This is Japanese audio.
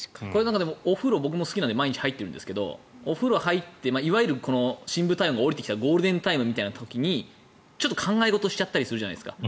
お風呂、僕も好きなんで毎日入ってるんですけどお風呂に入っていわゆる深部体温が下りてきたゴールデンタイムみたいな時にちょっと考え事をしちゃったりするじゃないですか。